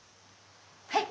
はい。